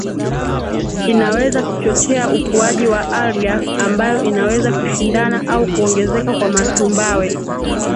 Inaweza kuchochea ukuaji wa algal ambayo inaweza kushindana au kuongezeka kwa matumbawe